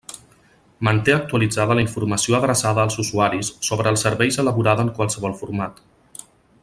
Manté actualitzada la informació adreçada als usuaris sobre els serveis elaborada en qualsevol format.